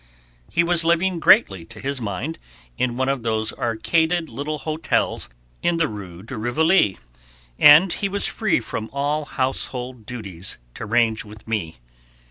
He was living greatly to his mind in one of those arcaded little hotels in the Rue de Rivoli, and he was free from all household duties to range with me.